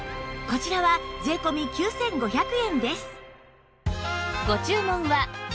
こちらは税込９５００円です